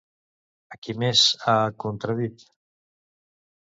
A qui més ha contradit?